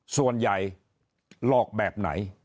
ส่วนใหญ่หลอกแบบไหน